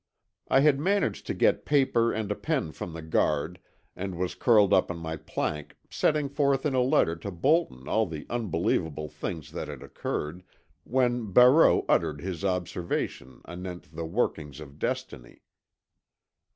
I had managed to get paper and a pen from the guard, and was curled up on my plank setting forth in a letter to Bolton all the unbelievable things that had occurred, when Barreau uttered his observation anent the workings of Destiny.